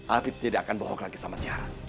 api tidak akan bohong lagi sama tiara